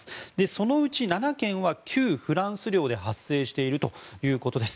そのうち７件は旧フランス領で発生しているということです。